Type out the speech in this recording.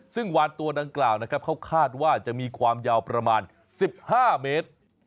ซึ่งวานตัวดังกล่าวนะครับเขาคาดว่าจะมีความยาวประมาณ๑๕เมตร